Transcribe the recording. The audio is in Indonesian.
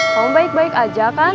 kaum baik baik aja kan